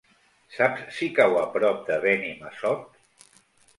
Saps si cau a prop de Benimassot?